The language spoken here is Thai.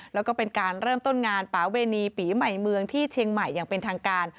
แล้วก็เป็นการเริ่มต้นงานปาเวณีปีใหม่เมืองที่เชียงใหม่อย่างเป็นทางการ